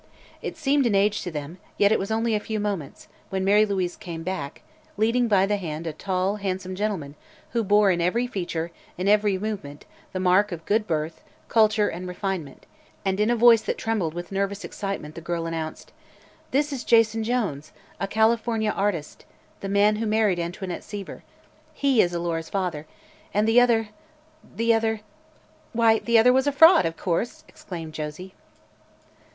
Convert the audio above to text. It seemed an age to them, yet it was only a few moments, when Mary Louise came back, leading by the hand a tall, handsome gentleman who bore in every feature, in every movement, the mark of good birth, culture, and refinement, and in a voice that trembled with, nervous excitement the girl announced: "This is Jason Jones a California artist the man who married Antoinette Seaver. He is Alora's father. And the other the other " "Why, the other was a fraud, of course," exclaimed Josie.